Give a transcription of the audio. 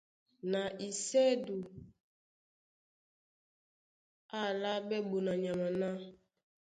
Na isɛ́du á álaɓɛ́ ɓonanyama ná: